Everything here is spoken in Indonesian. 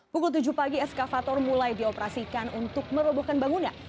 pukul tujuh pagi eskavator mulai dioperasikan untuk merobohkan bangunan